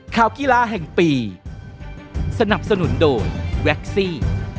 ข่าวกีฬาแห่งปีสนับสนุนโดยแว็กซี่